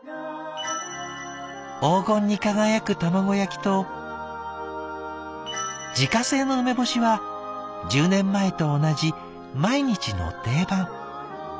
黄金に輝く卵焼きと自家製の梅干しは１０年前と同じ毎日の定番。